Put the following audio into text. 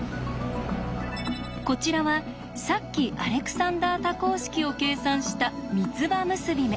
こちらはさっきアレクサンダー多項式を計算した三つ葉結び目。